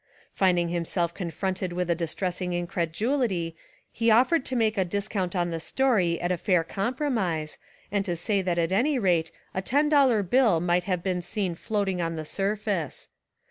Finding himself confronted with a distressing incredulity he offered to make a discount on 309 Essays and Literary Studies the story at a fair compromise, and to say that at any rate a ten dollar bill might have been seen floating on the surface.